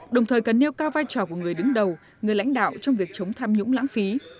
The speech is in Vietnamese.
đồng thời cần nêu cao vai trò của người đứng đầu người lãnh đạo trong việc chống tham nhũng lãng phí